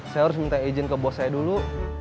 saya harus minta izin ke bos saya dulu